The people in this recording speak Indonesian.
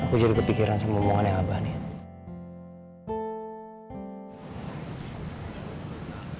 gue jadi kepikiran sama omongan yang abah nih